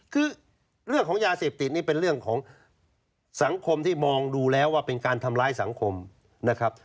คือเรื่องของยาเสพติดนี่เป็นเรื่องของสังคมที่มองดูแล้วว่าเป็นการทำร้ายสังคมนะครับ